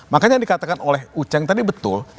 makanya yang dikatakan oleh uceng tadi betul